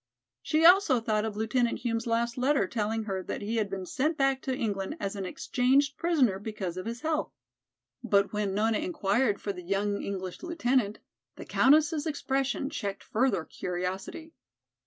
She also thought of Lieutenant Hume's last letter telling her that he had been sent back to England as an exchanged prisoner because of his health. But when Nona inquired for the young English lieutenant, the Countess' expression checked further curiosity.